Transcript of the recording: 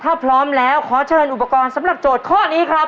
ถ้าพร้อมแล้วขอเชิญอุปกรณ์สำหรับโจทย์ข้อนี้ครับ